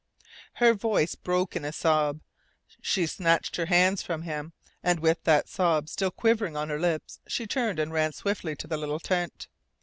Her voice broke in a sob. She snatched her hands from him, and with that sob still quivering on her lips she turned and ran swiftly to the little tent.